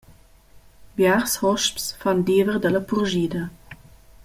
Biars hosps fan diever dalla purschida.